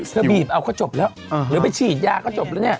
บีบเอาก็จบแล้วหรือไปฉีดยาก็จบแล้วเนี่ย